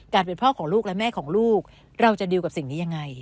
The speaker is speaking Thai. เป็นพ่อของลูกและแม่ของลูกเราจะดิวกับสิ่งนี้ยังไง